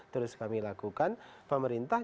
terus kami lakukan pemerintah